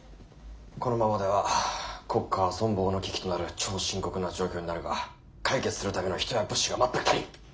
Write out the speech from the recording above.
このままでは国家は存亡の危機となる超深刻な状況になるが解決するための人や物資が全く足りん。